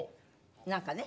なんかね。